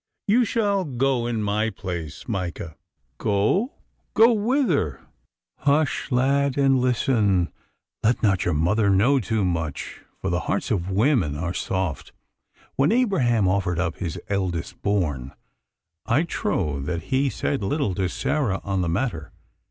You shall go in my place, Micah.' 'Go! Go whither?' 'Hush, lad, and listen! Let not your mother know too much, for the hearts of women are soft. When Abraham offered up his eldest born, I trow that he said little to Sarah on the matter.